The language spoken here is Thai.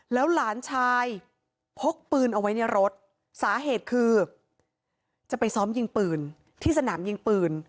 แล้วหลานชายพกปืนเอาไว้ในรถสาเหตุคือจะไปซ้อมยิงปืนที่สนามยิงปืน